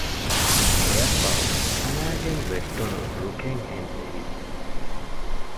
އެއަށްފަހު ކަނައިގެން ވެއްޓުނު ރުކެއްހެން ޖެހިއްޖެ